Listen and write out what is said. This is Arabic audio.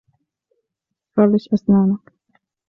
فرش أسنانك.